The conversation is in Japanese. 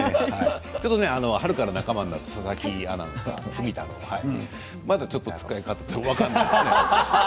春から仲間になった佐々木アナウンサー、ふみたろうまだちょっと使い方が分からないんですよね。